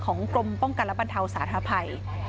ของกรมป้องกันระบันเทาสาธาภัย